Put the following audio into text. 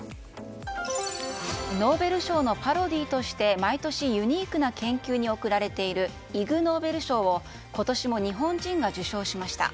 ノーベル賞のパロディーとして毎年、ユニークな研究に贈られているイグ・ノーベル賞を今年も日本人が受賞しました。